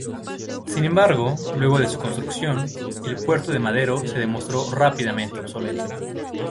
Sin embargo, luego de su construcción, el puerto de Madero se demostró rápidamente obsoleto.